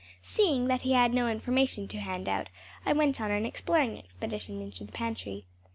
Seeing that he had no information to hand out I went on an exploring expedition into the pantry.